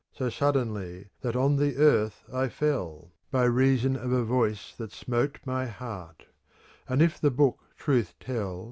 So suddenly that on the earth I fell. By reason of a voice that smote my heart :^ And if the book truth tell.